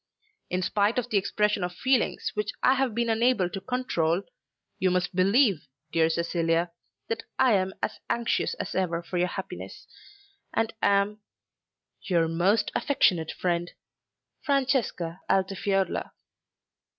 In spite of the expression of feelings which I have been unable to control, you must believe, dear Cecilia, that I am as anxious as ever for your happiness, and am, "Your most affectionate friend, "FRANCESCA ALTIFIORLA."